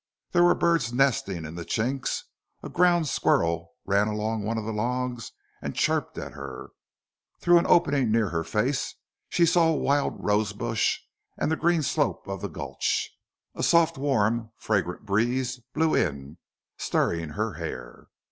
There were birds nesting in the chinks; a ground squirrel ran along one of the logs and chirped at her; through an opening near her face she saw a wild rose bush and the green slope of the gulch; a soft, warm, fragrant breeze blew in, stirring her hair.